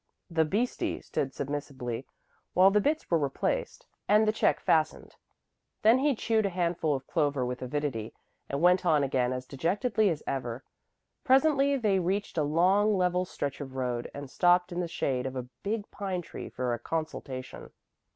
The "beastie" stood submissively while the bits were replaced and the check fastened. Then he chewed a handful of clover with avidity and went on again as dejectedly as ever. Presently they reached a long, level stretch of road and stopped in the shade of a big pine tree for a consultation.